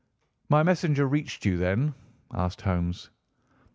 "My messenger reached you, then?" asked Holmes.